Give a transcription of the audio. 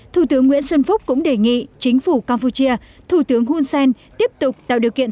thủ tướng nguyễn xuân phúc cũng đề nghị chính phủ campuchia thủ tướng hun sen tiếp tục tạo điều kiện